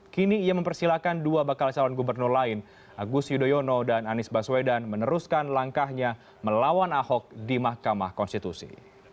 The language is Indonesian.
kini ia mempersilahkan dua bakal calon gubernur lain agus yudhoyono dan anies baswedan meneruskan langkahnya melawan ahok di mahkamah konstitusi